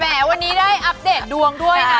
วันนี้ได้อัปเดตดวงด้วยนะ